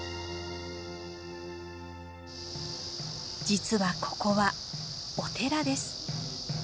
実はここはお寺です。